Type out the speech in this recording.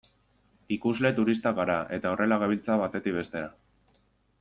Ikusle turistak gara, eta horrela gabiltza, batetik bestera.